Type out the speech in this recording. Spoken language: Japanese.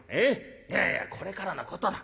いやいやこれからのことだ。